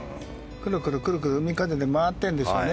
くるくる海風で回っているんですよね。